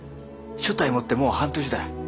所帯持ってもう半年だ。